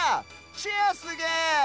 チェアすげえ！